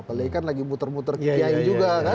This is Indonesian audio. apalagi kan lagi muter muter kiai juga kan